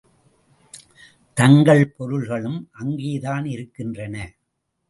தங்கள் பொருள்களும் அங்கேதான் இருக்கின்றன.